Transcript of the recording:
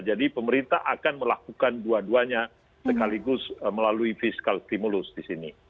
jadi pemerintah akan melakukan dua duanya sekaligus melalui fiscal stimulus di sini